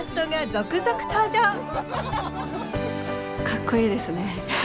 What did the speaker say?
かっこいいですね。